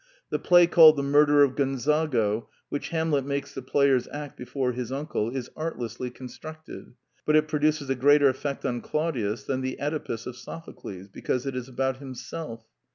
The play called The Murder of Gonzago, which Hamlet makes the players act before his uncle, is artlessly constructed; but it produces a greater effect on Claudius than the CEdipus of Sophocles, because it is about himself.